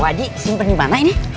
wajih simpen dimana ini